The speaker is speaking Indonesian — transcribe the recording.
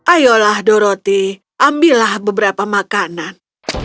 ayolah doroti ambillah beberapa makanan